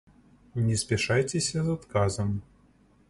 Не спяшайцеся з адказам.